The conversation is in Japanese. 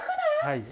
はい。